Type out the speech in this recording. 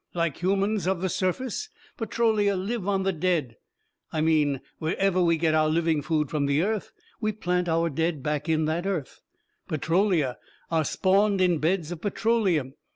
"Like humans of the surface, Petrolia live on the dead. I mean, wherever we get our living food from the earth, we plant our dead back in that earth. Petrolia are spawned in beds of petroleum.